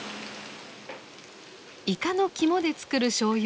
イカの肝で造るしょうゆ